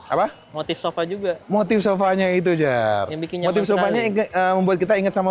apa motif sofa juga motif sofanya itu jahat yang bikin motif sofanya membuat kita ingat sama